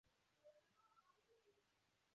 在今青海省贵德县境内。